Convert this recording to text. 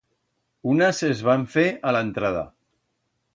Unas els van fer a la entrada.